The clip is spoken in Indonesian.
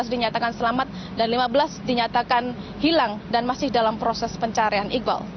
tiga belas dinyatakan selamat dan lima belas dinyatakan hilang dan masih dalam proses pencarian iqbal